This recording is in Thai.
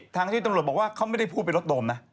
ทางที่ตำรวจบอกว่าเขาไม่ได้พูดเป็นรถโดมนะ